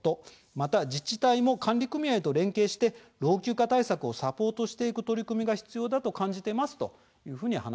また自治体も管理組合と連携して老朽化対策をサポートしていく取り組みが必要だと感じてます」